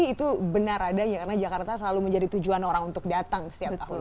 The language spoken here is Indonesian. itu benar adanya karena jakarta selalu menjadi tujuan orang untuk datang setiap tahun